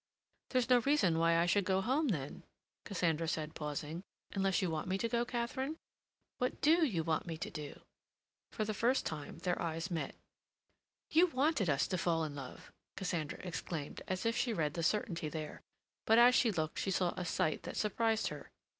"There's no reason why I should go home, then?" Cassandra said, pausing. "Unless you want me to go, Katharine? What do you want me to do?" For the first time their eyes met. "You wanted us to fall in love," Cassandra exclaimed, as if she read the certainty there. But as she looked she saw a sight that surprised her.